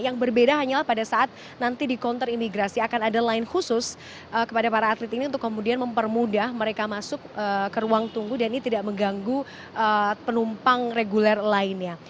yang berbeda hanyalah pada saat nanti di counter imigrasi akan ada line khusus kepada para atlet ini untuk kemudian mempermudah mereka masuk ke ruang tunggu dan ini tidak mengganggu penumpang reguler lainnya